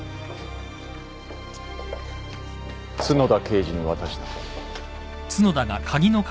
角田刑事に渡した。